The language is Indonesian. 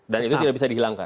dan itu tidak bisa dihilangkan